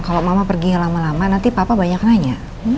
kalau mama pergi lama lama nanti papa banyak nanya